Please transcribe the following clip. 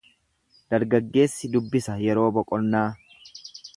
Dargaggeessi dubbisa yeroo boqonnaa.